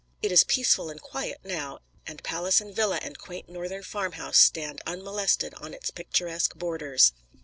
It is peaceful and quiet now, and palace and villa and quaint Northern farmhouse stand unmolested on its picturesque borders.